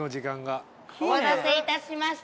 お待たせいたしました。